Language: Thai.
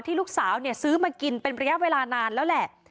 ลูกสาวซื้อมากินเป็นระยะเวลานานแล้วแหละ